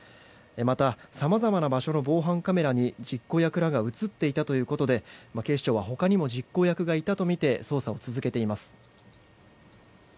またさまざまな場所の防犯カメラに実行役らが映っていたということで警視庁は他にも実行役がいたとみて捜査を続けています。